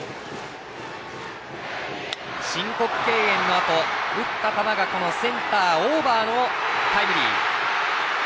申告敬遠のあと打った球がセンターオーバーのタイムリー。